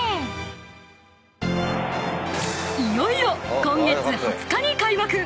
［いよいよ今月２０日に開幕］